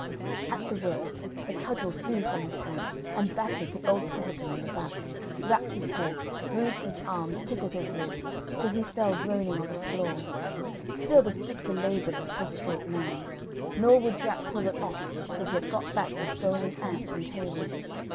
At the word the cudgel flew from his hand and battered the old publican on the back, rapped his head, bruised his arms tickled his ribs, till he fell groaning on the floor; still the stick belaboured the prostrate man, nor would Jack call it off till he had got back the stolen ass and table.